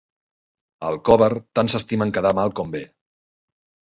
A Alcover tant s'estimen quedar mal com bé.